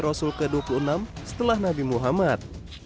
rasul ke dua puluh enam setelah nabi muhammad